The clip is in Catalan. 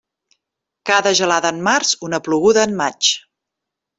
Cada gelada en març, una ploguda en maig.